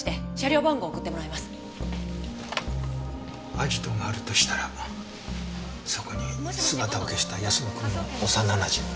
アジトがあるとしたらそこに姿を消した泰乃君の幼なじみも。